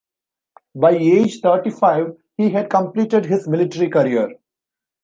By age thirty-five, he had completed his military career.